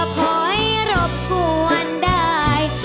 ขอให้รบกวนได้